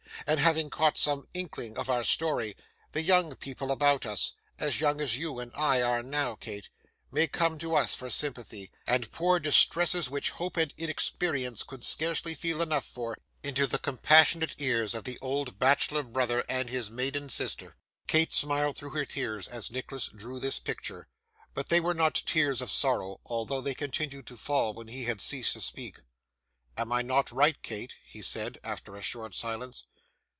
And having caught some inkling of our story, the young people about us as young as you and I are now, Kate may come to us for sympathy, and pour distresses which hope and inexperience could scarcely feel enough for, into the compassionate ears of the old bachelor brother and his maiden sister.' Kate smiled through her tears as Nicholas drew this picture; but they were not tears of sorrow, although they continued to fall when he had ceased to speak. 'Am I not right, Kate?' he said, after a short silence.